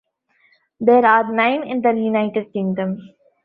There are nine in the United Kingdom.